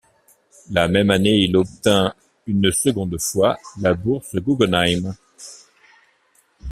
La même année, il obtint une seconde fois la bourse Guggenheim.